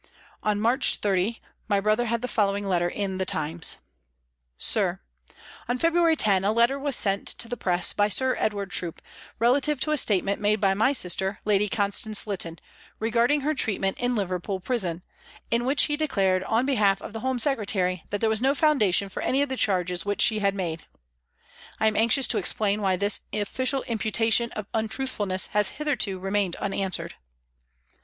On March 30, my brother had the following letter in the Times :" SIR, On February 10 a letter was sent to the Press by Sir Edward Troup, relative to a statement made by my sister, Lady Constance Lytton, regard ing her treatment in Liverpool Prison, in which he declared on behalf of the Home Secretary that there was no foundation for any of the charges which she had made. I am anxious to explain why this official imputation of untruthfulness has hitherto remained unanswered.